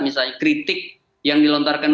misalnya kritik yang dilontarkan